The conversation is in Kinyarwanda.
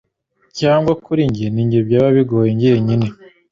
cyangwa kuri njye nijye byaba bigoye ngenyine